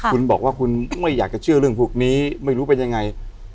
คุณบอกว่าคุณไม่อยากจะเชื่อเรื่องพวกนี้ไม่รู้เป็นยังไง